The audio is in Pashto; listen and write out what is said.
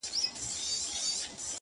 د کوترو د چوغکو فریادونه.!